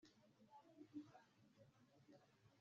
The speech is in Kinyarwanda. Merayoti abyara amariya